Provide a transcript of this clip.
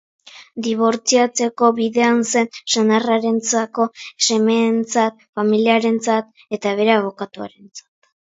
Dibortziatzeko bidean zen senarrarentzako, semeentzat, familiarentzat eta bere abokatuarentzat.